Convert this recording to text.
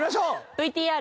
ＶＴＲ。